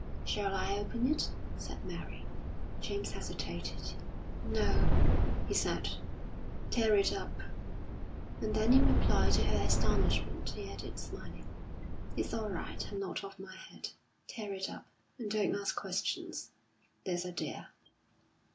"Shall I open it?" said Mary. James hesitated. "No," he said; "tear it up." And then in reply to her astonishment, he added, smiling: "It's all right, I'm not off my head. Tear it up, and don't ask questions, there's a dear!"